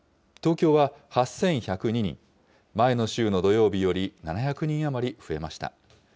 東京は８１０２人、前の週の土曜日より７００人余り増えました。